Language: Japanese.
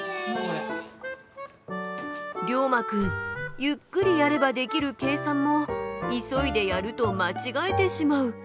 りょうまくんゆっくりやればできる計算も急いでやると間違えてしまう。